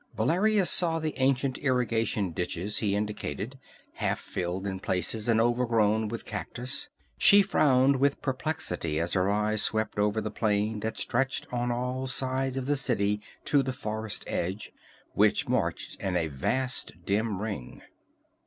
Valeria saw the ancient irrigation ditches he indicated, half filled in places, and overgrown with cactus. She frowned with perplexity as her eyes swept over the plain that stretched on all sides of the city to the forest edge, which marched in a vast, dim ring.